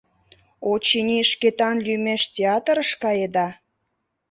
— Очыни, Шкетан лӱмеш театрыш каеда?